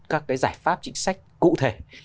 các cái giải pháp chính sách cụ thể